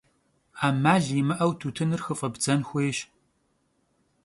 'emal yimı'eu tutınır xıf'ebzen xuêyş.